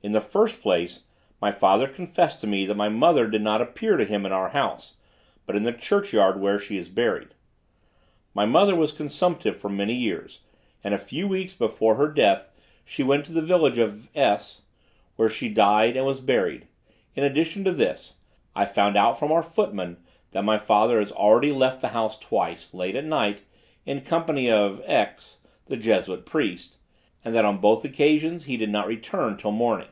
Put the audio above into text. "In the first place, my father confessed to me that my mother did not appear to him in our house, but in the churchyard where she is buried. My mother was consumptive for many years, and a few weeks before her death she went to the village of S , where she died and was buried. In addition to this, I found out from our footman that my father has already left the house twice, late at night, in company of X , the Jesuit priest, and that on both occasions he did not return till morning.